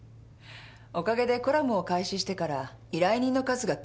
おかげでコラムを開始してから依頼人の数が急増しました。